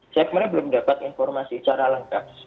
saya sebenarnya belum dapat informasi secara lengkap